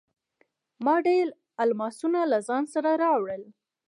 ما ډیر الماسونه له ځان سره راوړل.